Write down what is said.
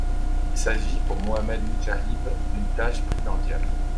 Il s’agit, pour Mohamed Moujahid, d’une tâche primordiale.